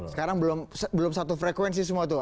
sekarang belum satu frekuensi semua tuh